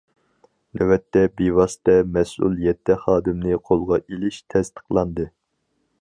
نۆۋەتتە، بىۋاسىتە مەسئۇل يەتتە خادىمنى قولغا ئېلىش تەستىقلاندى.